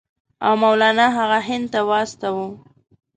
او مولنا هغه هند ته واستاوه.